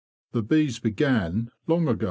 The bees began long ago.